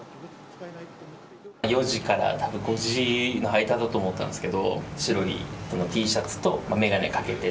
４時からたぶん５時の間だと思ったんですけど、白にＴシャツと眼鏡かけて。